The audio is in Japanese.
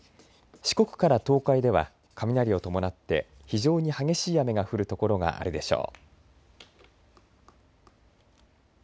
四国から東海では雷を伴って非常に激しい雨が降る所があるでしょう。